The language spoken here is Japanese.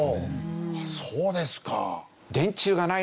ああそうですか。